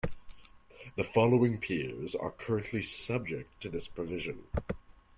The following peers are currently subject to this provision.